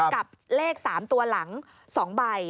กับเลข๓ตัวหลัง๒ใบ